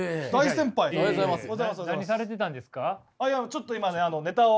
ちょっと今ねネタを。